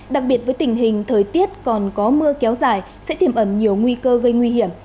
đặc biệt với tình hình thời tiết còn có mưa kéo dài sẽ tiềm ẩn nhiều nguy cơ gây nguy hiểm